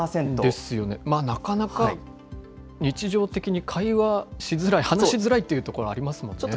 なかなか日常的に会話しづらい、話しづらいというところ、ありますもんね。